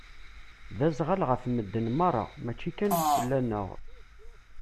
D azɣal ɣef madden meṛṛa mačči kan fell-aneɣ.